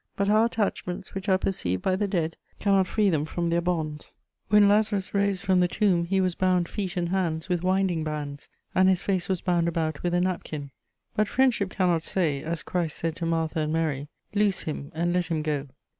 But our attachments, which are perceived by the dead, cannot free them from their bonds: when Lazarus rose from the tomb he was bound feet and hands with winding bands, and his face was bound about with a napkin; but friendship cannot say, as Christ said to Martha and Mary: "Loose him and let him go."